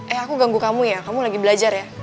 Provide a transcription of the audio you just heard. eh aku ganggu kamu ya kamu lagi belajar ya